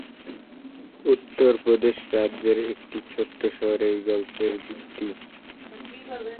উত্তরপ্রদেশ রাজ্যের একটি ছোট্ট শহরে এই গল্পের ভিত্তি।